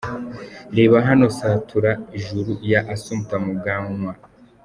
Reba hano Satura Ijuru ya Assumpta Muganwa:.